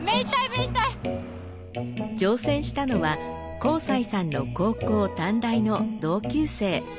乗船したのは幸才さんの高校・短大の同級生。